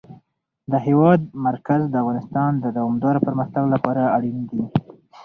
د هېواد مرکز د افغانستان د دوامداره پرمختګ لپاره اړین دي.